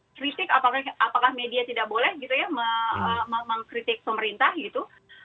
kritik apakah media tidak boleh gitu ya mengkritik pemerintah gitu